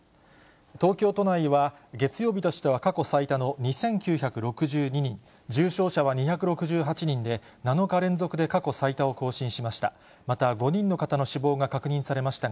東京都内は、月曜日としては過去最多の２９６２人、重症者は２６８人で、７日連続で過去最多を更新しました。